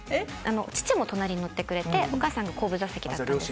父も隣に乗ってくれてお母さんが後部座席だったんです。